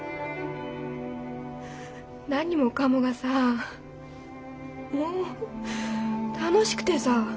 何もかもがさもう楽しくてさ。